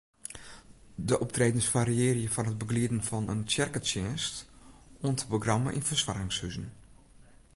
De optredens fariearje fan it begelieden fan in tsjerketsjinst oant in programma yn fersoargingshuzen.